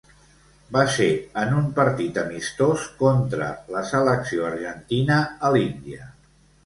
Va ser en un partit amistós contra la selecció argentina a l'Índia.